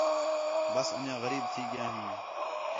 بس انڄیاں غریب تھی ڳِیا ہیں